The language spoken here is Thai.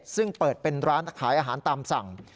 ซึ่งเปิดเป็นร้านขายอาหารตามสั่ง